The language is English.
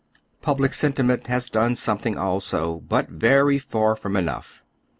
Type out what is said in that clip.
Public eentimeiit has done something also, but very far from enough.